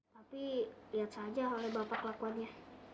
tapi lihat saja oleh bapak kelakuannya